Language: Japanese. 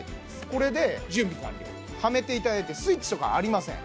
これで準備完了ですはめていただいてスイッチとかありません